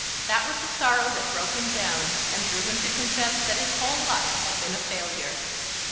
That was the sorrow that broke him down, and drew him to confess that his whole life had been a failure.